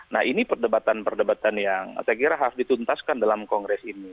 nah ini perdebatan perdebatan yang saya kira harus dituntaskan dalam kongres ini